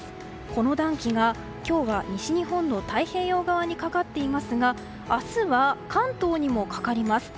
この暖気が、今日は西日本の太平洋側にかかっていますが明日は関東にもかかります。